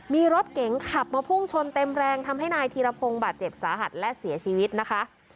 มีรถเก๋งขับมาพุ่งชนเต็มแรงทำให้นายธีรพงศ์บาดเจ็บสาหัสและเสียชีวิตนะคะ